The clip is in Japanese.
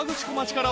から